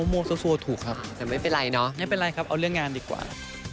ไม่เป็นไรครับเอาเรื่องงานดีกว่า